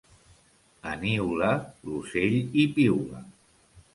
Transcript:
A Niula l'ocell hi piula.